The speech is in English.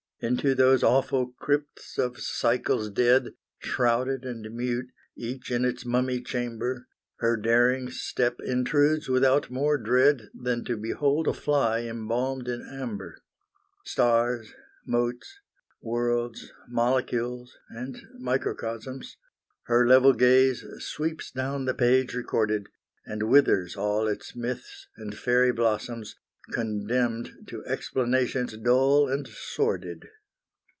Into those awful crypts of cycles dead, Shrouded and mute, each in its mummy chamber, Her daring step intrudes without more dread Than to behold a fly embalmed in amber. Stars motes worlds molecules, and microcosms, Her level gaze sweeps down the page recorded, And withers all its myths, and fairy blossoms, Condemned to explanations dull and sordid.